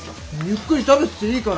ゆっくり食べてていいから。